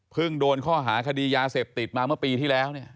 โดนข้อหาคดียาเสพติดมาเมื่อปีที่แล้ว